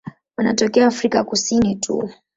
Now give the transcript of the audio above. Wanatokea Afrika Kusini tu.